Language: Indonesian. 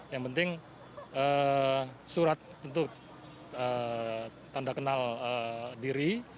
yang penting surat untuk tanda kenal diri